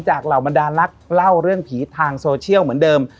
เหล่าบรรดานักเล่าเรื่องผีทางโซเชียลเหมือนเดิม